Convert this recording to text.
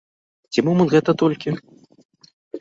Ці момант гэта толькі?